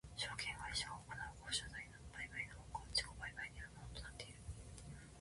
証券会社が行う公社債の売買の多くは自己売買によるものとなっている。